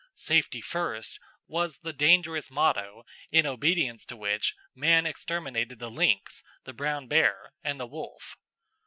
"Safety first" was the dangerous motto in obedience to which man exterminated the lynx, the brown bear, and the wolf.